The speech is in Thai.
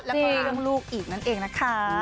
แล้วก็เรื่องลูกอีกนั่นเองนะคะ